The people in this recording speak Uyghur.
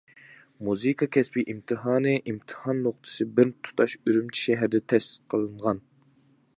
مۇزىكا كەسپى ئىمتىھانى ئىمتىھان نۇقتىسى بىر تۇتاش ئۈرۈمچى شەھىرىدە تەسىس قىلىنغان.